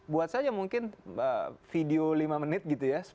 buat saja mungkin video lima menit gitu ya